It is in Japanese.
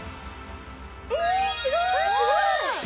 えすごい！